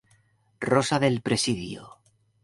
Rosa del Presidio".